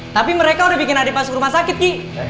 tapi mereka udah bikin nadif masuk rumah sakit ki